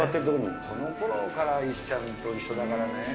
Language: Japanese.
そのころから石ちゃんと一緒だからね。